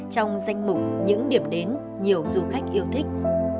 trong danh mục những điểm đến nhiều du khách yêu thích